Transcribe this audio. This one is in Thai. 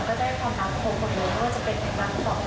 ก็จะได้ความรักครบทุกรถเพราะว่าจะเป็นแผ่นรักสองคน